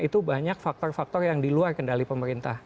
itu banyak faktor faktor yang di luar kendali pemerintah